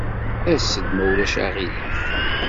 As-d, ma ulac aɣilif.